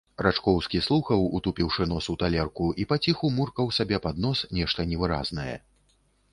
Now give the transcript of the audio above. Рачкоўскі слухаў, утупіўшы нос у талерку, і паціху муркаў сабе пад нос нешта невыразнае.